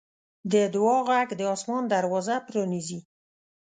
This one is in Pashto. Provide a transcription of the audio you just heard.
د دعا غږ د اسمان دروازه پرانیزي.